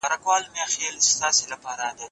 هره پېښه یو ځانګړی علت لري.